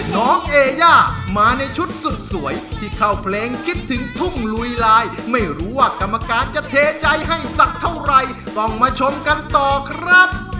น้องเอย่ามาในชุดสุดสวยที่เข้าเพลงคิดถึงทุ่งลุยลายไม่รู้ว่ากรรมการจะเทใจให้สักเท่าไรต้องมาชมกันต่อครับ